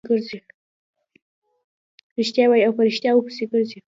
رښتیا وايي او په ريښتیاوو پسې ګرځي.